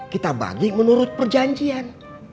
kita bagi menurut perjanjian